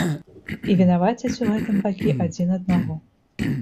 І вінавацяць у гэтым бакі адзін аднаго.